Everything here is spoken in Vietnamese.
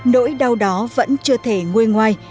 nỗi đau đó vẫn chưa thể nguê ngoài